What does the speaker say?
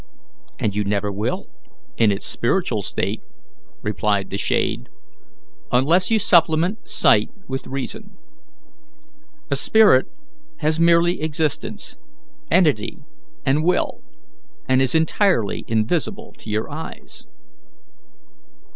"And you never will, in its spiritual state," replied the shade, "unless you supplement sight with reason. A spirit has merely existence, entity, and will, and is entirely invisible to your eyes."